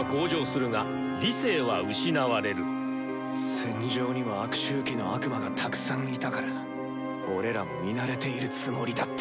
戦場にも悪周期の悪魔がたくさんいたから俺らも見慣れているつもりだった。